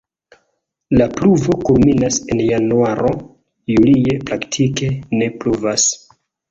La pluvo kulminas en januaro, julie praktike ne pluvas.